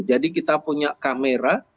jadi kita punya kamera